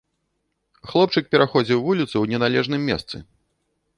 Хлопчык пераходзіў вуліцу ў неналежным месцы.